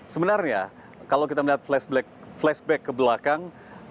sebenarnya kalau kita melihat flashback ke belakang